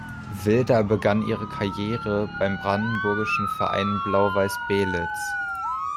Wilder begann ihre Karriere beim brandenburgischen Verein Blau-Weiß Beelitz.